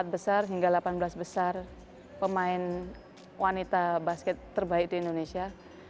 empat besar hingga delapan belas besar pemain wanita basket terbaik di indonesia